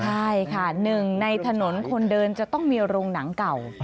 ใช่ค่ะหนึ่งในถนนคนเดินจะต้องมีโรงหนังเก่า